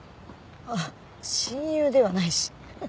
あっ親友ではないしハハハ。